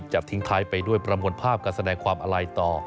ทิ้งท้ายไปด้วยประมวลภาพการแสดงความอาลัยต่อ